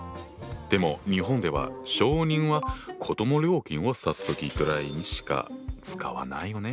でも日本では小人は子ども料金を指す時ぐらいにしか使わないよね？